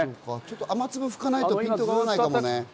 雨粒、拭かないとピントが合わないかもね。